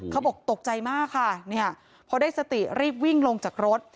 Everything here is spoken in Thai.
เขาบอกตกใจมากค่ะเนี่ยพอได้สติรีบวิ่งลงจากรถ